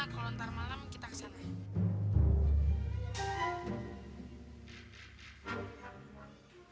kayanya apa set satan ke mana tiru